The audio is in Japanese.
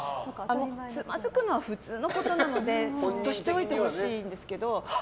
つまずくのは普通のことなのでそっとしておいてほしいんですけど。